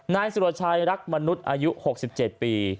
นายสุรชัยรักมนุษย์อายุ๖๗ปี